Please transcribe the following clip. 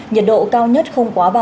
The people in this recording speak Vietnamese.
nhiệt độ cao nhất không quá ba mươi năm độ